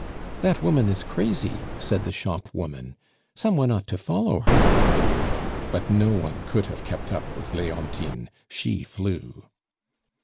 "That woman is crazy," said the shop woman; "some one ought to follow her." But no one could have kept up with Leontine; she flew.